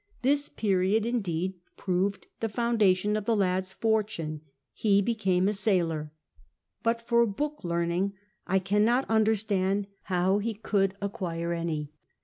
This period, indeed, proved the foundation of the lad's fortune; he became a sailor. But for book learning I cannot understand how ho could acquire any.